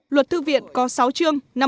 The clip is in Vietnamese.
luật thư viện có sáu chương